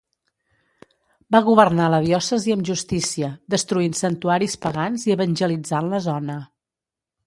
Va governar la diòcesi amb justícia, destruint santuaris pagans i evangelitzant la zona.